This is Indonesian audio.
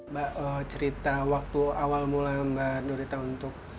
mbak cerita waktu awal mula mbak nurita untuk